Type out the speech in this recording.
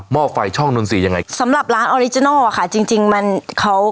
ห้อไฟช่องนนทรีย์ยังไงสำหรับร้านออริจินัลอ่ะค่ะจริงจริงมันเขา